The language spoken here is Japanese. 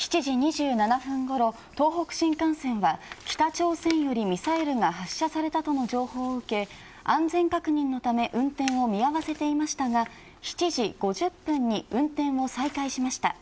７時２７分ごろ東北新幹線は北朝鮮よりミサイルが発射されたとの情報を受け安全確認のため運転を見合わせていましたが７時５０分に運転を再開しました。